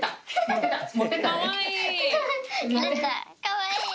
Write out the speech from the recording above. かわいい！